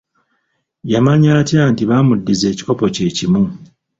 Yamanya atya nti bamuddiza ekikopo kye kimu?